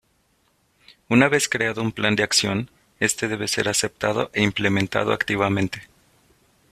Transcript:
Una vez creado un plan de acción, este debe ser aceptado e implementado activamente.